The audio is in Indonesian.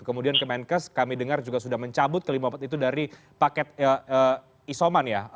kemudian kemenkes kami dengar juga sudah mencabut kelima itu dari paket isoman ya